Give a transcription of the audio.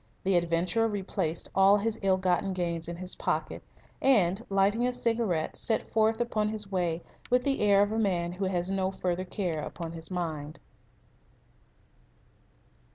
The adventurer replaced all his ill gotten gains in his pocket, and, lighting a cigarette, set forth upon his way with the air of a man who has no further care upon his mind.